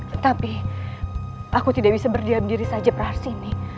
tetapi aku tidak bisa berdiam diri saja praharsini